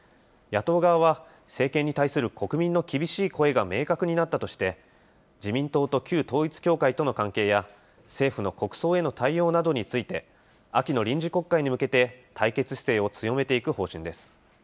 野党側は政権に対する国民の厳しい声が明確になったとして、自民党と旧統一教会との関係や政府の国葬への対応などについて、秋の臨時国会に向けて対決姿勢を強めていく方針です。